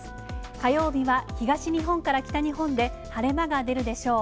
火曜日は東日本から北日本で晴れ間が出るでしょう。